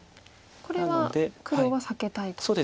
これは黒は避けたいと。